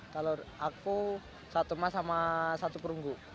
kalau aku satu emas sama satu perunggu